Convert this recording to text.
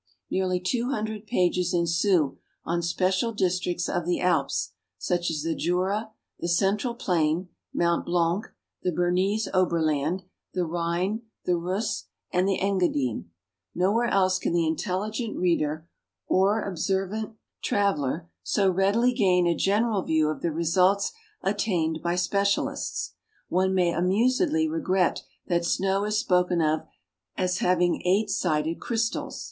Nearly two hundred pages ensue on special districts of the Alps, such as the Jura, the central plain, Mt Blanc, the Bernese Oberland, the Rhine, the Reuss, and the Engadine. Nowhere else can the intelligent reader or observant 408 GEOGRAPHIC LITERA PURE 409 traveler so readily gain a general view of the results attained l3y special ists. One may amusedly regret that snow is spoken of as having eight sided crystals (p.